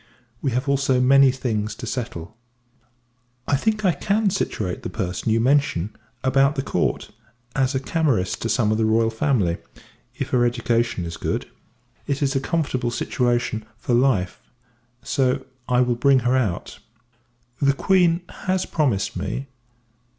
We have also many things to settle. I think, I can situate the person you mention about the Court, as a Camerist to some of the R. F y, if her education is good. It is a comfortable situation for life; so, I will bring her out. The Q. has promised me.